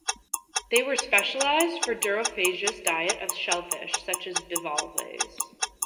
They were specialized for a durophagous diet of shellfish, such as bivalves.